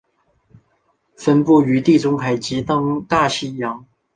分布于地中海及东大西洋。